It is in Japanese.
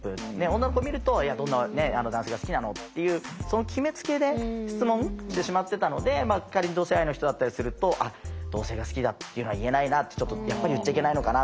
女の子見ると「どんな男性が好きなの？」っていうその決めつけで質問してしまってたので仮に同性愛の人だったりすると同性が好きだっていうのは言えないなってやっぱり言っちゃいけないのかな。